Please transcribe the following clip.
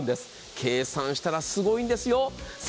計算したらすごいんですよ。